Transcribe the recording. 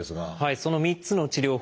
その３つの治療法